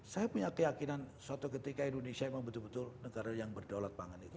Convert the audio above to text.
saya punya keyakinan suatu ketika indonesia memang betul betul negara yang berdaulat pangan itu